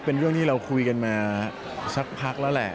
เป็นเรื่องที่เราคุยกันมาสักพักแล้วแหละ